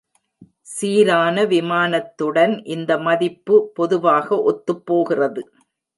சீரான விமானத்துடன் இந்த மதிப்பு பொதுவாக ஒத்துப்போகிறது.